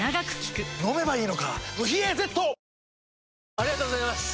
ありがとうございます！